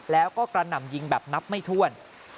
แล้วก็กระหน่ำยิงแบบนับไม่ถ้วน